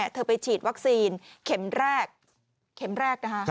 เธอไปฉีดวัคซีนเข็มแรก